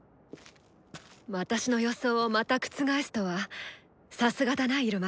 私の予想をまた覆すとはさすがだなイルマ。